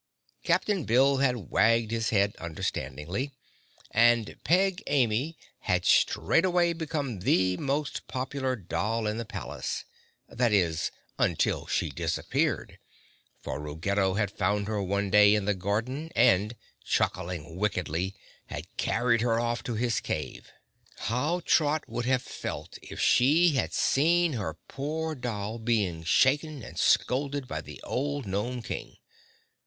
Captain Bill had wagged his head understandingly, and Peg Amy had straightway become the most popular doll in the palace; that is, until she disappeared, for Ruggedo had found her one day in the garden and, chuckling wickedly, had carried her off to his cave. How Trot would have felt if she had seen her poor doll being shaken and scolded by the old Gnome King!